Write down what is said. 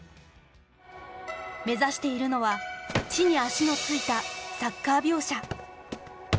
目指しているのは地に足のついたサッカー描写。